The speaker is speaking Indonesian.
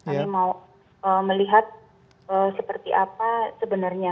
kami mau melihat seperti apa sebenarnya